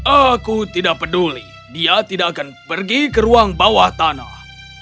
aku tidak peduli dia tidak akan pergi ke ruang bawah tanah